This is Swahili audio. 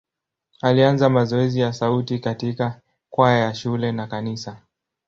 Alianza mazoezi ya sauti katika kwaya ya shule na kanisa.